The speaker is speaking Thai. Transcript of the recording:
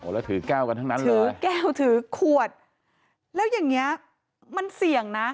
รถือก้าวกันตั้งนั้นเลย